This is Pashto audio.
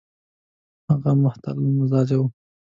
هغه متحمل مزاجه وو.